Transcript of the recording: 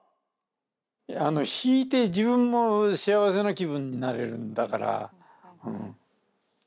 弾いて自分も幸せな気分になれるんだから。